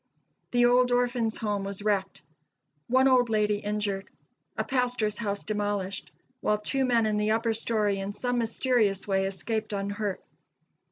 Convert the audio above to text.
The old Orphans' Home was wrecked; one old lady injured; a pastor's house demolished, while two men in the upper story in some mysterious way escaped unhurt.